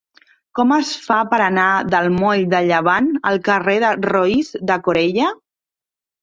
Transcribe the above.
Com es fa per anar del moll de Llevant al carrer de Roís de Corella?